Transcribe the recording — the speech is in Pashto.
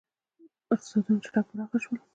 • اقتصادونه چټک پراخ شول.